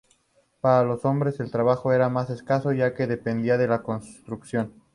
Para los hombres el trabajo era más escaso ya que dependían de la construcción.